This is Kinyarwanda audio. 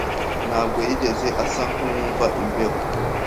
Ntabwo yigeze asa nkuwumva imbeho.